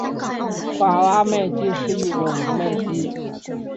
爪哇麦鸡是一种麦鸡。